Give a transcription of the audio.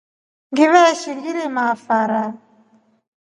Ngiveshi ngilima fara.